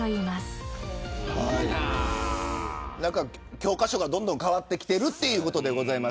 教科書がどんどん変わってきているということです。